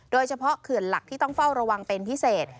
เขื่อนหลักที่ต้องเฝ้าระวังเป็นพิเศษ